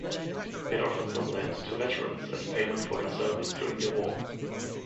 It offered some land to veterans as payment for their service during the war.